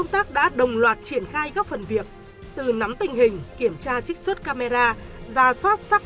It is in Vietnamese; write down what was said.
tác đã đồng loạt triển khai các phần việc từ nắm tình hình kiểm tra trích xuất camera ra soát xác